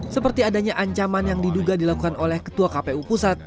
seperti adanya ancaman yang diduga dilakukan oleh ketua kpu pusat